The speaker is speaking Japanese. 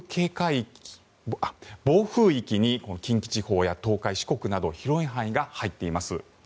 暴風域に近畿地方や東海、四国など広い範囲が入っています。